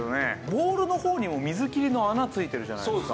ボウルの方にも水切りの穴ついてるじゃないですか。